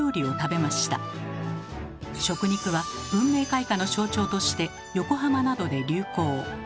食肉は文明開化の象徴として横浜などで流行。